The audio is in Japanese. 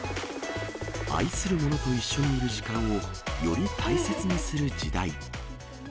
愛するものと一緒にいる時間をより大切にする時代。